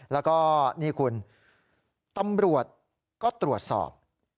แล้วก็นี่คุณตำรวจก็ตรวจสอบ